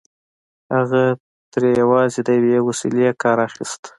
هغه ترې یوازې د یوې وسيلې کار اخيست